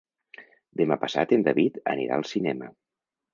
Demà passat en David anirà al cinema.